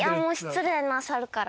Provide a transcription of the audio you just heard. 「失礼なさるから」？